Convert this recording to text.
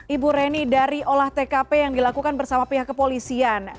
ibu reni dari olah tkp yang dilakukan bersama pihak kepolisian